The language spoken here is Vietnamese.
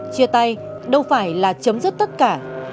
chia tay đâu phải là chấm dứt tất cả